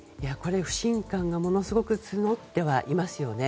不信感がものすごく募ってはいますよね。